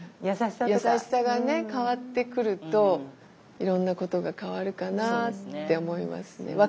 優しさがね変わってくるといろんなことが変わるかなって思いますね。